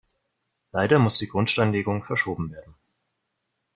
Leider muss die Grundsteinlegung verschoben werden.